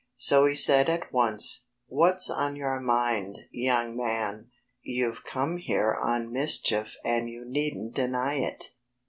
So he said at once, "What's on your mind, young man? You've come here on mischief and you needn't deny it."